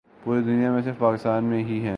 پوری دنیا میں صرف پاکستان میں ہی ہیں ۔